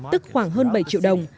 tức khoảng hơn bảy triệu đồng